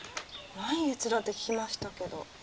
来月だって聞きましたけど。